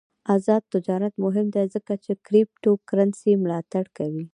آزاد تجارت مهم دی ځکه چې کریپټو کرنسي ملاتړ کوي.